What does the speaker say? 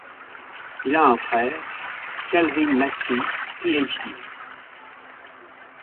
Il a un frère, Calvin Mackie, Ph.D.